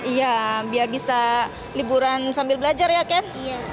iya biar bisa liburan sambil belajar ya ken